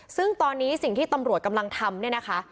ซึ่งตอนนี้สิ่งที่ตำรวจกำลังทำเนี่ยนะคะ